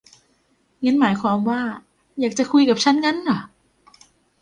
งั้นหมายความว่าอยากจะคุยกับฉันงั้นหรอ